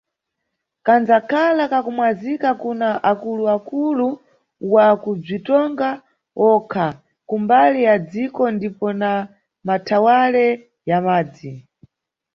Kandzakhala kakumwazika kuna akulu-akulu wa kubzitonga okha kumbali ya dziko ndipo na mathawale ya madzi.